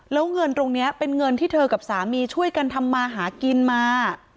แล้วเงินตรงนี้เป็นเงินที่เธอกับสามีช่วยกันทำมาหากินมา